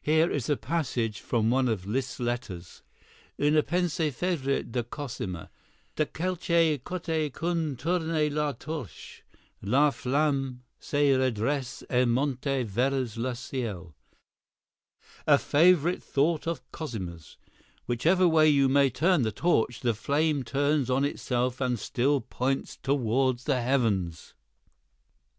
Here is a passage from one of Liszt's letters: "Une pensée favorite de Cosima:' De quelque coté qu'un tourne la torche, la flamme se redresse et monte vers le ciel.'" ("A favorite thought of Cosima's: Whichever way you may turn the torch, the flame turns on itself and still points toward the heavens.'")